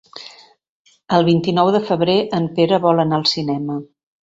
El vint-i-nou de febrer en Pere vol anar al cinema.